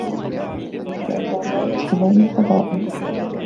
لِأَنَّهُمَا يَسْلُبَانِ الْفَضَائِلَ